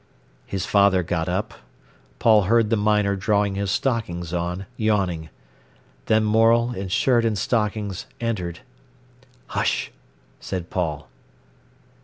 His father got up. Paul heard the miner drawing his stockings on, yawning. Then Morel, in shirt and stockings, entered. "Hush!" said Paul.